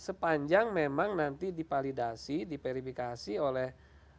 ya sepanjang memang nanti dipalidasi diperifikasi oleh kepala dsm